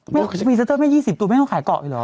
ไม่เอาขยายมีสเตอร์แม่ง๒๐ตุ้นไม่ต้องขายเกาะหรอ